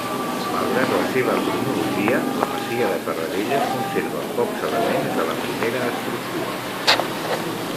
Malgrat la seva cronologia, la masia de Terradelles conserva pocs elements de la primera estructura.